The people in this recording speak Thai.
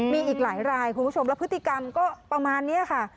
มีอีกหลายรายคุณผู้ชมแล้วพฤติกรรมก็ประมาณนี้ค่ะ